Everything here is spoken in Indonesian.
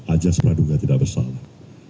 aja sepadu ga tidak bersalah